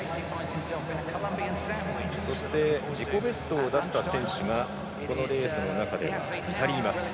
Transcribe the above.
自己ベストを出した選手がこのレースの中で２人います。